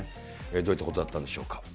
どういったことだったんでしょうか。